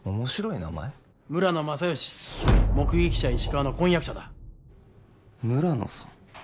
村野正義目撃者・石川の婚約者だ村野さん